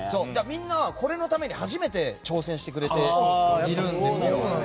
みんな、これのために初めて挑戦してくれてるんですよ。